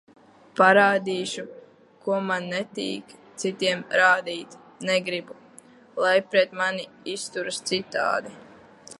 Parādīšu, ko man netīk citiem rādīt, negribu, lai pret mani izturas citādi.